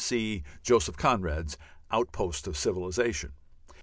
(See Joseph Conrad's "Out post of Civilization.")